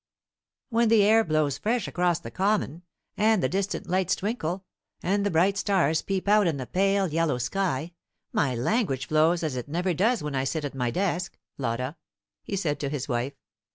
"When the air blows fresh across the common, and the distant lights twinkle, and the bright stars peep out in the pale yellow sky, my language flows as it never does when I sit at my desk, Lotta," he said to his wife.